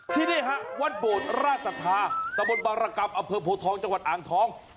ที่นี่ฮะวัดโบสถ์ราชศาสตร์ตะบนบารกรรมอเผือโผทองจังหวัดอ่างท้อง